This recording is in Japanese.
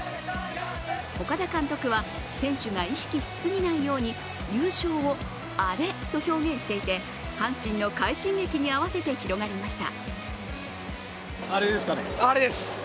岡田監督は選手が意識しすぎないように優勝をアレと表現していて、阪神の快進撃に合わせて広がりました。